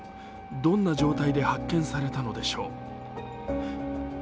どんな状態で発見されたのでしょう？